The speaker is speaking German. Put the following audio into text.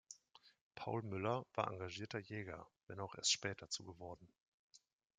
Paul Müller war engagierter Jäger, wenn auch erst spät dazu geworden.